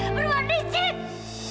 sadar kasih kamu